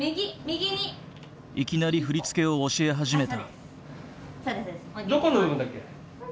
いきなり振り付けを教え始めた。